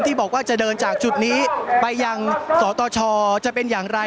ที่บอกว่าจะเดินจากจุดนี้ไปยังสตชจะเป็นอย่างไร